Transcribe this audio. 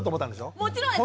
もちろんです。